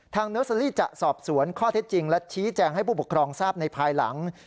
เนอร์เซอรี่จะสอบสวนข้อเท็จจริงและชี้แจงให้ผู้ปกครองทราบในภายหลัง